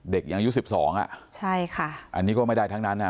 เด็กอย่างยุคสิบสองอ่ะใช่ค่ะอันนี้ก็ไม่ได้ทั้งนั้นนะ